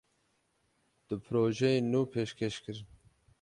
Du projeyên nû pêşkêş kirin.